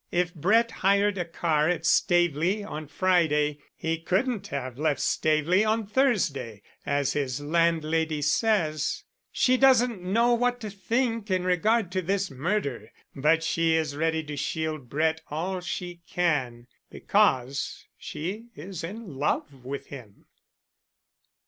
If Brett hired a car at Staveley on Friday he couldn't have left Staveley on Thursday, as his landlady says. She doesn't know what to think in regard to this murder, but she is ready to shield Brett all she can because she is in love with him."